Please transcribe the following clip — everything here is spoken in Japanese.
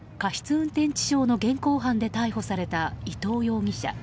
運転致傷の現行犯で逮捕された伊東容疑者。